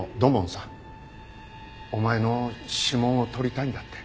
お前の指紋を採りたいんだって。